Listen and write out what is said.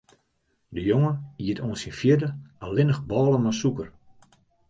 De jonge iet oant syn fjirde allinnich bôle mei sûker.